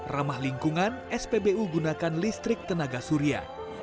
ramah lingkungan spbu gunakan listrik tenaga surya